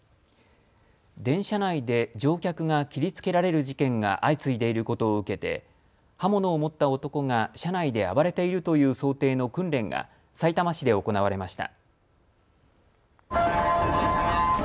電車内で乗客が切りつけられる事件が相次いでいることを受けて刃物を持った男が車内で暴れているという想定の訓練がさいたま市で行われました。